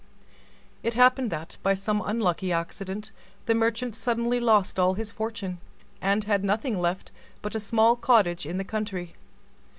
It happened that, by some unlucky accident, the merchant suddenly lost all his fortune, and had nothing left but a small cottage in the country.